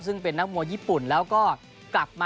ซึ่งเป็นนักมวยญี่ปุ่นแล้วก็กลับมา